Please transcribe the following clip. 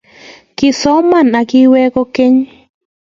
kisome iweeke kokeny